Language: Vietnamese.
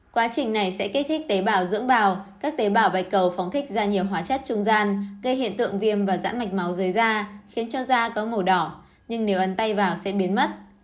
quá trình này sẽ kích thích tế bào dưỡng bào các tế bào bạch cầu phóng thích ra nhiều hóa chất trung gian gây hiện tượng viêm và giãn mạch máu dưới da khiến cho da có màu đỏ nhưng nếu ấn tay vào sẽ biến mất